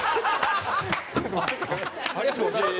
ありがとうございます。